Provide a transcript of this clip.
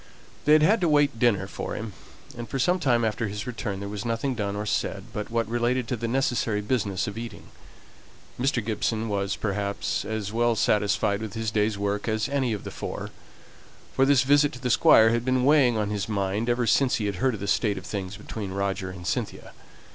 They had had to wait dinner for him; and for some time after his return there was nothing done or said but what related to the necessary business of eating. Mr. Gibson was, perhaps, as well satisfied with his day's work as any of the four; for this visit to the Squire had been weighing on his mind ever since he had heard of the state of things between Roger and Cynthia.